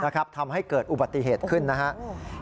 ทำให้เกิดอุบัติเหตุขึ้นนะครับ